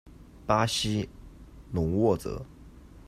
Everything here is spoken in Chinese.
巴西隆沃泽。